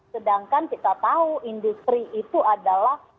sedangkan kita tahu industri itu adalah